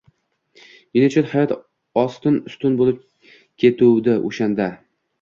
Men uchun hayot ostin-ustun bo‘lib ketuvdi o‘shanda